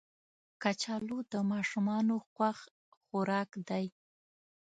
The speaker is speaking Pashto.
کچالو د ماشومانو خوښ خوراک دی